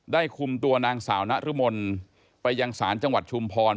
คุมตัวนางสาวนรมนไปยังศาลจังหวัดชุมพร